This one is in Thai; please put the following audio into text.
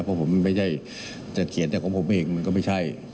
เพราะผมไม่ใช่จะเขียนแต่ของผมเองมันก็ไม่ใช่